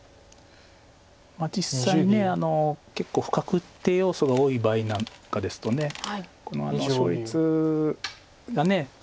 実際結構不確定要素が多い場合なんかですと勝率が。